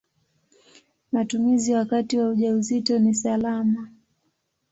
Matumizi wakati wa ujauzito ni salama.